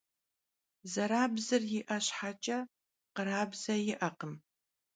Zerabzır yi'e şheç'e khrabze yi'ekhım.